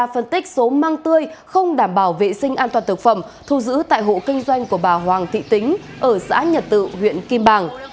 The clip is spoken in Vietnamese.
phân tích số măng tươi không đảm bảo vệ sinh an toàn thực phẩm thu giữ tại hộ kinh doanh của bà hoàng thị tính ở xã nhật tự huyện kim bàng